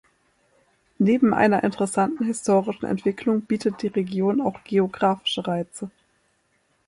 Neben einer interessanten historischen Entwicklung bietet die Region auch geografische Reize.